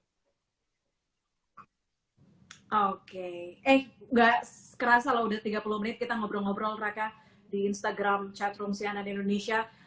oke eh gak kerasa loh udah tiga puluh menit kita ngobrol ngobrol raka di instagram chatroom cnn indonesia